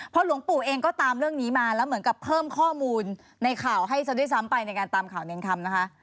พอหลวงปู่เองก็ตามเรื่องนี้มาแล้วเหมือนกับเพิ่มข้อมูลในข่าวให้ซะด้วยซ้ำไปในการตามข่าวเนรคำนะคะ